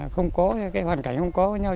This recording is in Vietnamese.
không có hoàn cảnh không có với nhau